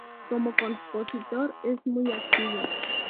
Como compositor es muy activo.